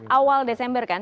awal desember kan